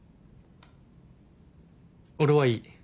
俺はいい。